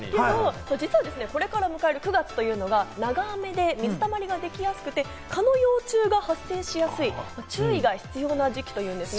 これから迎える９月というのは長雨で水たまりができやすく、蚊の幼虫が発生しやすい、注意が必要な時期なんです。